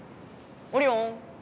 オリオン？